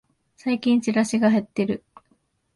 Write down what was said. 最近チラシが減ってる